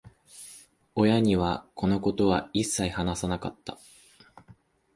親には、このことは一切話さなかった。